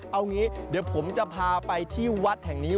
เอางี้เดี๋ยวผมจะพาไปที่วัดแห่งนี้